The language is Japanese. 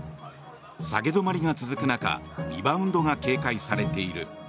下げ止まりが続く中リバウンドが警戒されている。